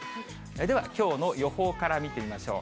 ではきょうの予報から見てみましょう。